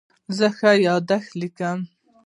زه ښه یادښت لیکم.